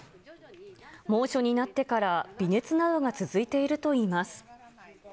猛暑になってから微熱などが続いているといいます。